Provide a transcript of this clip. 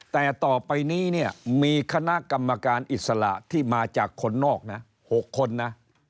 แต่ต่อไปนี้เนี่ยมีคณะกรรมการอิสระที่มาจากคนนอกนะ๖คนนะ